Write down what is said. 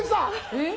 えっ？